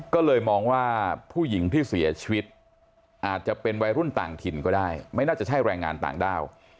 ก็เลยมองว่าผู้หญิงที่เสียชีวิตอาจจะเป็นวัยรุ่นต่างถิ่นก็ได้ไม่น่าจะใช่แรงงานต่างด้าว